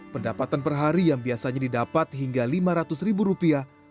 pendapatan per hari yang biasanya didapat hingga lima ratus ribu rupiah